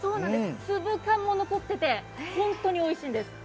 粒感も残ってて、本当においしいんです。